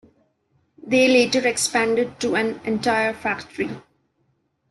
They later expanded to an entire factory.